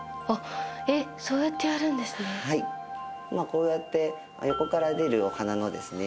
こうやって横から出るお花のですね